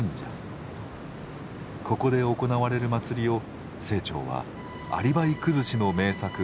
ここで行われる祭りを清張はアリバイ崩しの名作